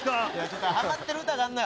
はまってる歌があんのよ。